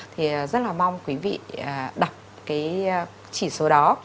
thì rất là mong quý vị đọc cái chỉ số đó